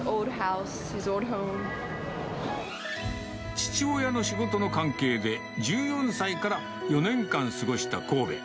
父親の仕事の関係で、１４歳から４年間過ごした神戸。